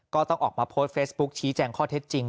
ก็ต้องออกมาโพสต์เฟซบุ๊คชี้แจงข้อเท็จจริง